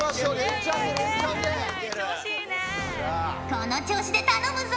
この調子で頼むぞ。